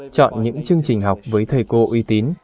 chọn những chương trình học với thầy cô uy tín